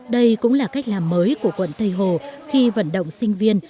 đây cũng là cách làm mới của quận tây hồ khi vận động sinh viên